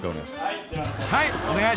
［はい。